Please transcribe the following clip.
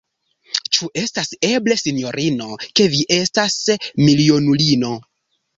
Ĉu estas eble, sinjorino, ke vi estas milionulino?